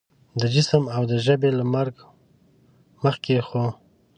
د جسم او د ژبې له مرګ مخکې خو